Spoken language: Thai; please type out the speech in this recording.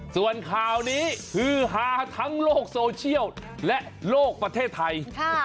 ส่วนข่าวนี้ฮือฮาทั้งโลกโซเชียลและโลกประเทศไทย